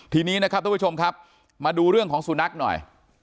ทีนี้นะครับทุกผู้ชมครับมาดูเรื่องของสุนัขหน่อย